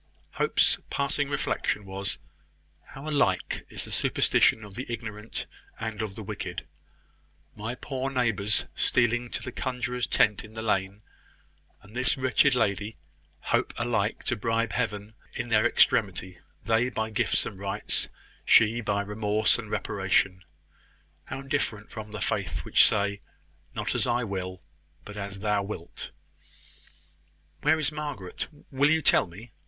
Hope's passing reflection was, "How alike is the superstition of the ignorant and of the wicked! My poor neighbours stealing to the conjuror's tent in the lane, and this wretched lady, hope alike to bribe Heaven in their extremity they by gifts and rites, she by remorse and reparation. How different from the faith which say; `Not as I will, but as thou wilt!'" "Where is Margaret? Will you tell me?"